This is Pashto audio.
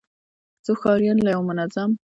څو ښاريان له يو منظم،